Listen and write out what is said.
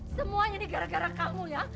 semuanya ini gara gara kamu ya